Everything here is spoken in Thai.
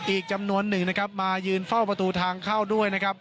อีกจำนวนหนึ่งมายืนเฝ้าประตูทางเข้าด้วย